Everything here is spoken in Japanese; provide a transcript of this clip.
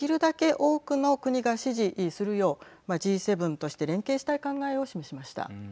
多くの国が支持するようＧ７として連携したい考えを示しました。